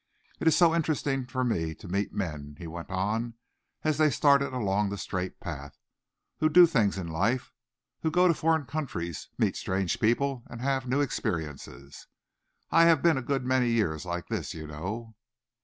It is so interesting for me to meet men," he went on, as they started along the straight path, "who do things in life; who go to foreign countries, meet strange people, and have new experiences. I have been a good many years like this, you know."